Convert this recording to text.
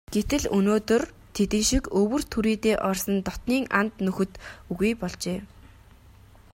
Гэтэл өнөөдөр тэдэн шиг өвөр түрийдээ орсон дотнын анд нөхөд үгүй болжээ.